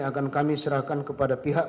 akan kami serahkan kepada pihak